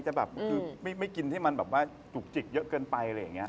จะแบบไม่กินให้มันจุกจิกเยอะเกินไปอะไรอย่างนี้